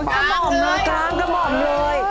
กลางกระหม่อมเลย